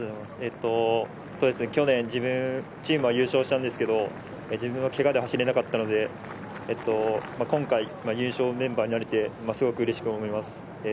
去年、チームは優勝したんですけど自分はけがで走れなかったので今回、優勝メンバーになれてすごくうれしく思います。